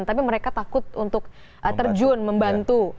tapi mereka takut untuk terjun membantu